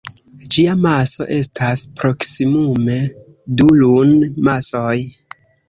Ĝia maso estas proksimume du Lun-masoj.